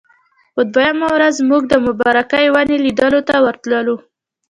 په دویمه ورځ موږ د مبارکې ونې لیدلو ته ورتللو.